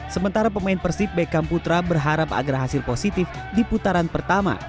sementara pemain persib beckham putra berharap agar hasil positif di putaran pertama